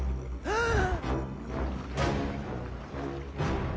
ああ！